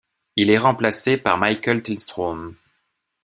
Il est remplacé par Mikael Tillström.